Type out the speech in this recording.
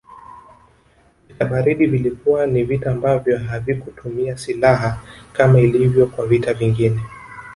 Vita baridi vilikuwa ni vita ambavyo havikutumia siilaha kama ilivyo kwa vita vingine